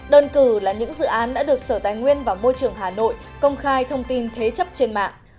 đơn cử là những dự án đã được sở tài nguyên và môi trường hà nội công khai thông tin thế chấp trên mạng